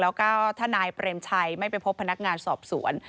แล้วก็ถ้านายเปรมชัยไม่ไปพบพนักงานสอบสวน